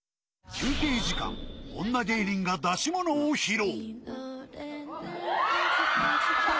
休憩時間、女芸人が出し物を披露。